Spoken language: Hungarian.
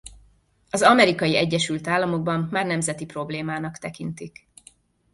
Az Amerikai Egyesült Államokban már nemzeti problémának tekintik.